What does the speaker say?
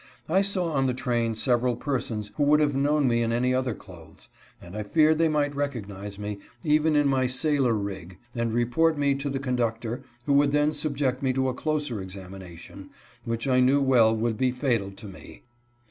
I saw on the train several persons who would have known me in any other clothes, and I feared they might recognize me, even in my sailor "rig," and report me to the conductor, who would then subject me to a closer examination, which I knew well would be fatal to me.